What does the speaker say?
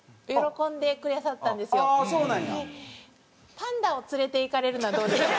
パンダを連れていかれるのはどうでしょう？